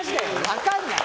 分かんない。